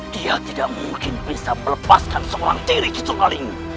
dia tidak mungkin bisa melepaskan seorang diri kita hari ini